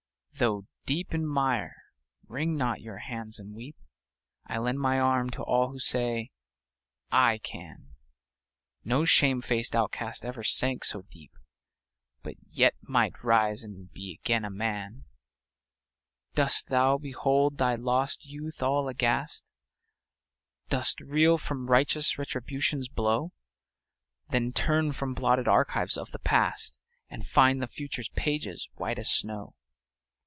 Though deep in mire, wring not your hands and weep; I lend my arm to all who say "I can!" No shame faced outcast ever sank so deep, But yet might rise and be again a man ! Dost thou behold thy lost youth all aghast? Dost reel from righteous Retribution's blow? Then turn from blotted archives of the past, And find the future's pages white as snow.